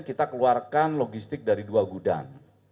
kita keluarkan logistik dari dua gudang